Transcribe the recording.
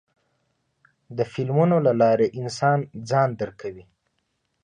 د فلمونو له لارې انسان ځان درکوي.